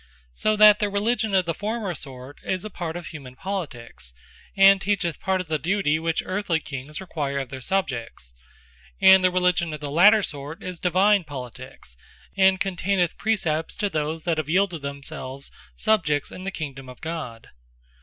So that the Religion of the former sort, is a part of humane Politiques; and teacheth part of the duty which Earthly Kings require of their Subjects. And the Religion of the later sort is Divine Politiques; and containeth Precepts to those that have yeelded themselves subjects in the Kingdome of God.